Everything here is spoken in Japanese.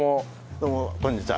どうもこんにちは。